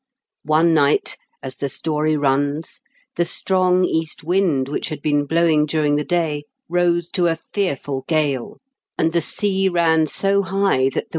One night, as the story runs, the strong east wind which had been blowing during the day rose to a fearful gale, and the sea ran so high that the 210 TN KENT WITH CHARLES DICKENS.